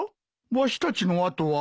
わしたちの後は。